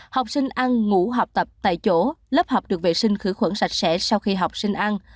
học sinh ăn ngủ học tập tại chỗ lớp học được vệ sinh khử khuẩn sạch sẽ sau khi học sinh ăn